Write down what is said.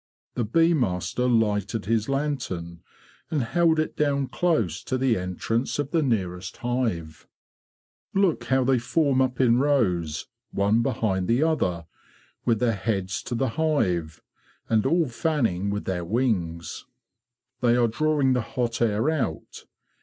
The bee master lighted his lantern, and held it down close to the entrance of the nearest hive. '" Look how they form up in rows, one behind the other, with their heads to the hive; and all 64 THE BEE MASTER OF WARRILOW fanning with their wings! They are drawing the hot air out.